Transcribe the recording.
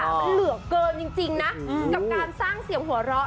มันเหลือเกินจริงนะกับการสร้างเสียงหัวเราะ